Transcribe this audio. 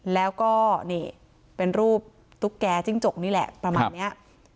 แล้วก็นี่เป็นรูปตุ๊กแก่จิ้งจกนี่แหละประมาณนี้